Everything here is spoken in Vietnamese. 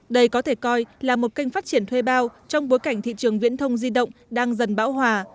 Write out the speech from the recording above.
đây có thể coi là một kênh phát triển thuê bao trong bối cảnh thị trường viễn thông di động đang dần bão hòa